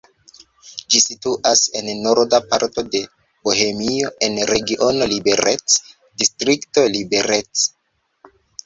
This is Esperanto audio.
Ĝi situas en norda parto de Bohemio, en regiono Liberec, distrikto Liberec.